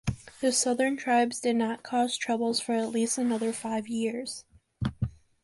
The southern tribes did not cause troubles for at least another five years.